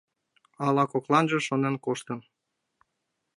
Ала кокланже шонен коштын?